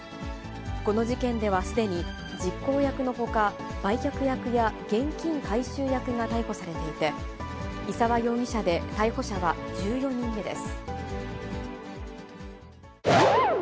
この事件ではすでに実行役のほか、売却役や現金回収役が逮捕されていて、伊沢容疑者で逮捕者は１４人目です。